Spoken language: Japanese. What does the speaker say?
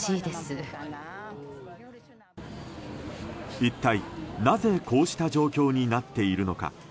一体なぜこうした状況になっているのか。